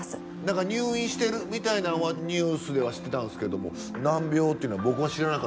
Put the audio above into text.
何か入院してるみたいなのはニュースでは知ってたんですけども難病っていうのは僕も知らなかった。